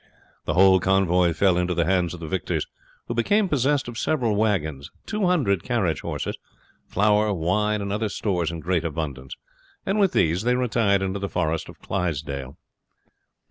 The whole convoy fell into the hands of the victors, who became possessed of several wagons, 200 carriage horses, flour, wine, and other stores in great abundance; with these they retired into the forest of Clydesdale.